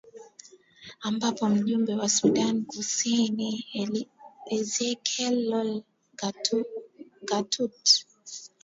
ambapo mjumbe wa sudan kusini ezekiel lol gatut